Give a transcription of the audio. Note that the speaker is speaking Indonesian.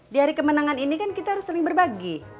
di hari kemenangan ini kan kita harus sering berbagi